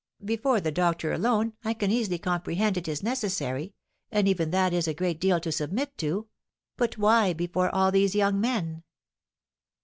"Before the doctor alone I can easily comprehend it is necessary, and even that is a great deal to submit to; but why before all these young men?"